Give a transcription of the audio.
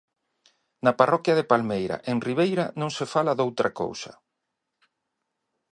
No parroquia de Palmeira, en Ribeira, non se fala doutra cousa.